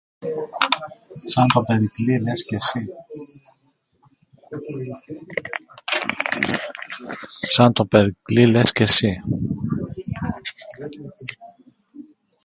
Σαν τον Περικλή λες και συ;